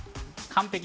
完璧。